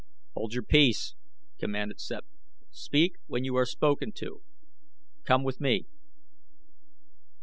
"Hold your peace!" commanded Sept. "Speak when you are spoken to. Come with me!"